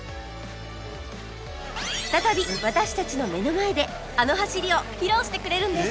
再び私たちの目の前であの走りを披露してくれるんです！